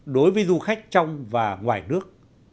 đối với du khách trong và ngoài nước